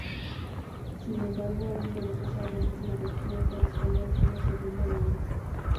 Sin embargo hay numerosos hablantes marroquíes del español como segunda lengua.